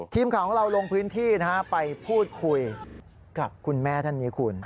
ทีมข่าวของเราลงพื้นที่ไปพูดคุยกับคุณแม่ท่านนี้คุณ